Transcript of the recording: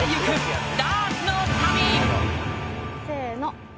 せの。